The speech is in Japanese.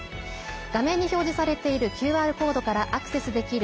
画面に表示されているＱＲコードからアクセスできる